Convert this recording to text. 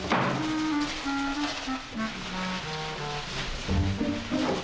kami kesini karena dipanggil oleh pemilik rumah